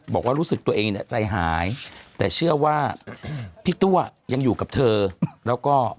บอกว่ารู้สึกตัวเองเนี่ยใจหายแต่เชื่อว่าพี่ตัวยังอยู่กับเธอแล้วก็